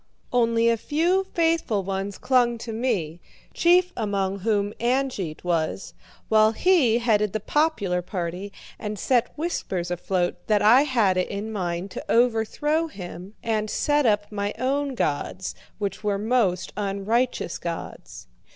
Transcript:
Only a few faithful ones clung to me, chief among whom Angeit was; while he headed the popular party and set whispers afloat that I had it in mind to overthrow him and set up my own gods, which were most unrighteous gods.